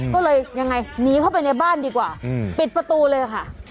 ก็เลยยังไงหนีเข้าไปในบ้านดีกว่าปิดประตูเลยค่ะ